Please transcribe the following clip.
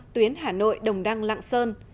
tuyến hà nội đồng đăng lạng sơn